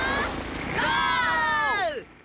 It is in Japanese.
ゴー！